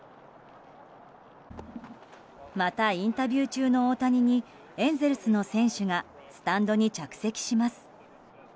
また、インタビュー中の大谷にエンゼルスの選手がスタンドに着席します。